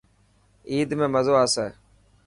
عيد ۾ مزو آسي.